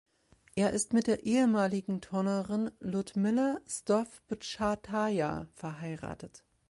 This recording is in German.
Er ist mit der ehemaligen Turnerin Ljudmila Stowbtschataja verheiratet.